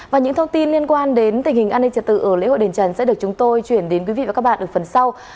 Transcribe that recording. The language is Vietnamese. và những thông tin liên quan đến tình hình an ninh trật tự ở lễ hội đền trần sẽ được chúng tôi chuyển đến quý vị và các bạn ở phần sau